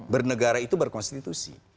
bernegara itu berkonstitusi